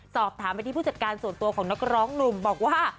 สอบถามไปที่ผู้จัดการส่วนตัวของนักร้องหนุ่มบอกว่า